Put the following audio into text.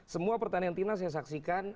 semua pertandingan timnas yang saksikan